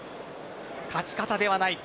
勝ち方ではない。